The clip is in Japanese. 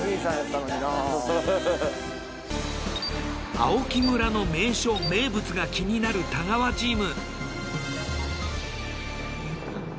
青木村の名所・名物が気になる太川チーム。